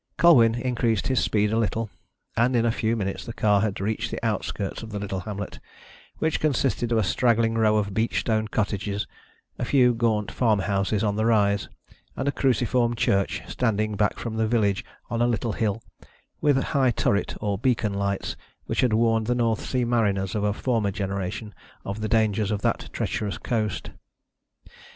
Colwyn increased his speed a little, and in a few minutes the car had reached the outskirts of the little hamlet, which consisted of a straggling row of beach stone cottages, a few gaunt farm houses on the rise, and a cruciform church standing back from the village on a little hill, with high turret or beacon lights which had warned the North Sea mariners of a former generation of the dangers of that treacherous coast.